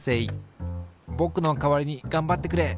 ぼくの代わりにがんばってくれ！